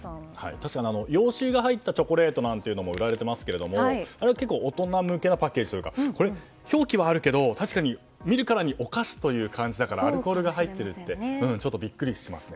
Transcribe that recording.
確かに洋酒が入ったチョコレートも売られていますがあれは結構大人向けのパッケージというかこれは、確かに表記はあるけど見るからにお菓子という感じだからアルコールが入っているってビックリしますね。